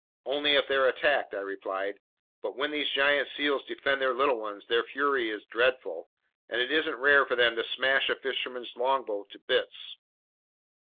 "Only if they're attacked," I replied. "But when these giant seals defend their little ones, their fury is dreadful, and it isn't rare for them to smash a fisherman's longboat to bits."